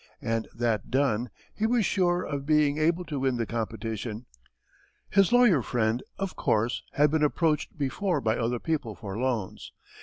And that done, he was sure of being able to win the competition. His lawyer friend, of course, had been approached before by other people for loans.